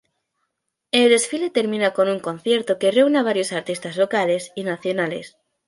El desfile termina con un concierto que reúne a varios artistas locales y nacionales.